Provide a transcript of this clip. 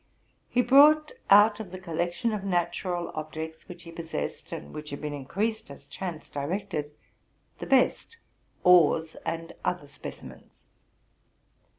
He brought out of the collection of natural objects which he possessed, and which had been in creased as chance directed, the best ores and other specimens.